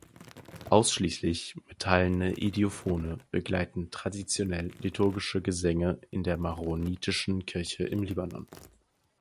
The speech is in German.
Ausschließlich metallene Idiophone begleiten traditionell liturgische Gesänge in der maronitischen Kirche im Libanon.